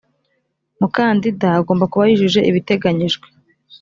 mukandida agomba kuba yujuje ibiteganyijwe